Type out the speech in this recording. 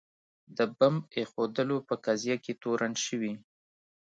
د بمب ایښودلو په قضیه کې تورن شوي.